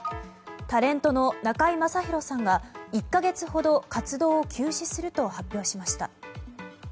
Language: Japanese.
タレントの中居正広さんが１か月ほど活動を休止すると発表しました。